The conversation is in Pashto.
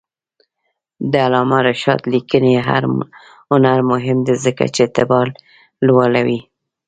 د علامه رشاد لیکنی هنر مهم دی ځکه چې اعتبار لوړوي.